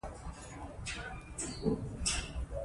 ځوانان د خپل وطن د ژغورنې لپاره قرباني ورکوي.